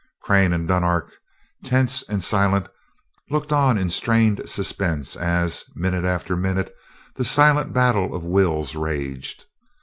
Crane and Dunark, tense and silent, looked on in strained suspense as, minute after minute, the silent battle of wills raged.